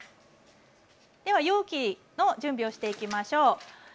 では容器の準備をしていきましょう。